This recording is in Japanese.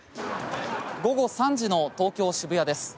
午後３時の東京渋谷です。